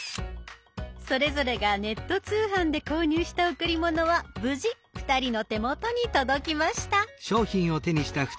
それぞれがネット通販で購入した贈り物は無事２人の手元に届きました。